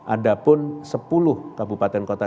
ada pun sepuluh kabupaten kota